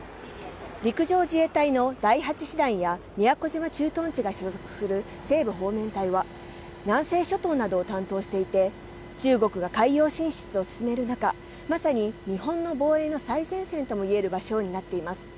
陸上自衛隊の第８師団や宮古島駐屯地が所属する西部方面隊は、南西諸島などを担当していて中国が海洋進出を進める中まさに、日本の防衛の最前線を担う場所となっています。